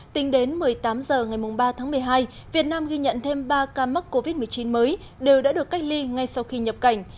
tính đến một mươi tám h ngày ba tháng một mươi hai việt nam ghi nhận thêm ba ca mắc covid một mươi chín mới đều đã được cách ly ngay sau khi nhập cảnh